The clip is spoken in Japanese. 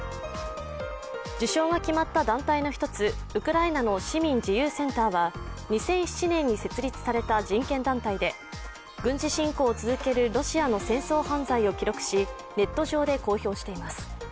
受賞が決まった団体の１つウクライナの市民自由センターは２００７年に設立された人権団体で軍事侵攻を続けるロシアの戦争犯罪を記録しネット上で公表しています。